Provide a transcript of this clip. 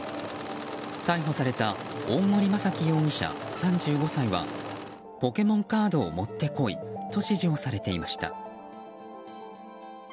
逮捕された大森正樹容疑者、３５歳はポケモンカードを持ってこいと指示をされていました。